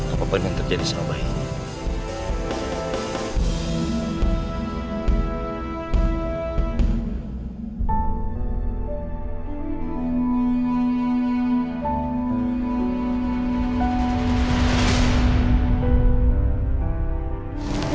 apa pun yang terjadi sama bayinya